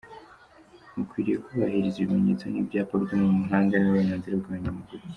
Mukwiriye kubahiriza ibimenyetso n’ibyapa byo ku mihanda n’uburenganzira bw’abanyamaguru.